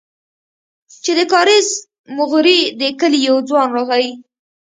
چې د کاريز موغري د کلي يو ځوان راغى.